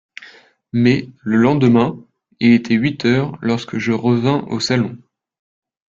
Mais, le lendemain, il était huit heures lorsque je revins au salon.